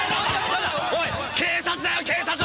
おいっ警察だよ警察！